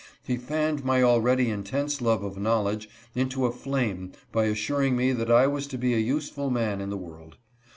He fanned my already intense love of knowledge into a flame by assuring me that I was to be jjjiselui~man in the world.